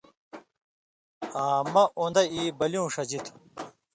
آں مہ اُن٘دہ ای بلیُوں ݜژی تُھو